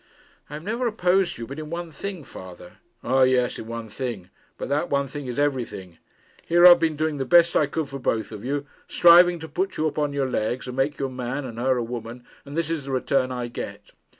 'I have never opposed you but in one thing, father.' 'Ah, yes; in one thing. But that one thing is everything. Here I've been doing the best I could for both of you, striving to put you upon your legs, and make you a man and her a woman, and this is the return I get!'